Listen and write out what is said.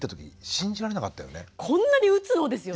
こんなに打つの？ですよね。